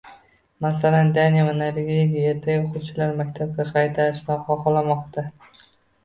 Masalan, Daniya va Norvegiya ertaga o'quvchilarni maktabga qaytarishni xohlamoqda